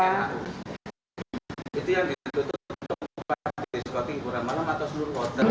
itu untuk berbakat diskoti hiburan malam atau seluruh kota